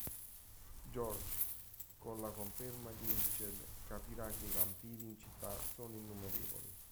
George, con la conferma di Mitchell, capirà che i vampiri in città sono innumerevoli.